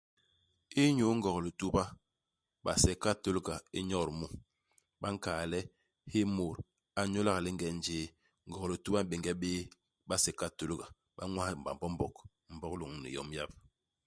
Inyu Ngog-Lituba, base i katôlika i nyodi mu. Ba nkal le hi mut a nyôlak i lingen jéé. Ngog-Lituba i m'bénge bé base i Katôlika. Ba ñwas BaMbombog, Mbog lôñni yom yap.